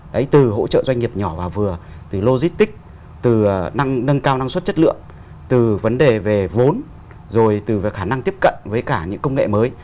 đấy từ hỗ trợ doanh nghiệp nhỏ và vừa từ logistic từ nâng cao năng suất chất lượng từ vấn đề về vốn rồi từ khả năng tiếp cận với cả những công nghệ mới